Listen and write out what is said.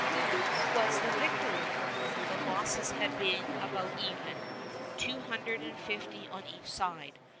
Whose was the victory? The losses had been about even, two hundred and fifty on each side.